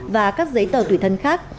và các giấy tờ tùy thân khác